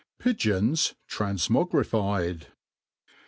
Pigeons tranfmogrijied.